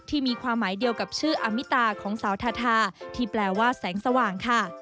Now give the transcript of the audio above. มีความหมายเดียวกับชื่ออามิตาของสาวทาทาที่แปลว่าแสงสว่างค่ะ